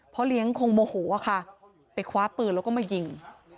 เลี้ยงคงโมโหค่ะไปคว้าปืนแล้วก็มายิง